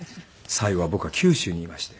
最期は僕は九州にいまして。